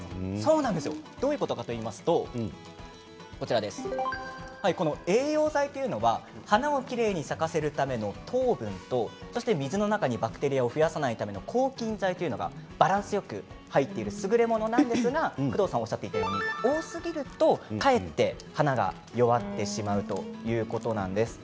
どういうことかといいますと栄養剤というのは花をきれいに咲かせるための糖分と水の中にバクテリアを増やさないための抗菌剤というのがバランスよく入っているすぐれものなんですが工藤さんもおっしゃっていたように多すぎるとかえって花が弱ってしまうということなんです。